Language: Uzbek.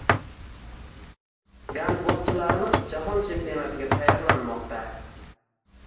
Gandbolchilarimiz jahon chempionatiga tayyorlanmoqdang